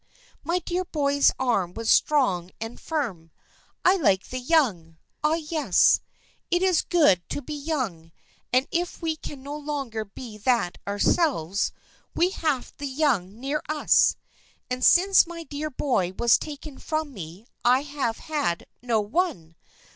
My dear boy's arm was strong and firm. I like the young. Ah, yes. It is good to be young, and if we can no longer be that ourselves, to have the young near us. And since my dear boy was taken from me I have had no one.